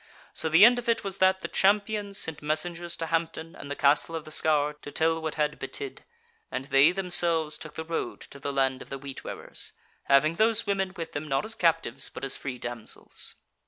So the end of it was that the Champions sent messengers to Hampton and the Castle of the Scaur to tell what had betid, and they themselves took the road to the land of the Wheat wearers, having those women with them not as captives but as free damsels.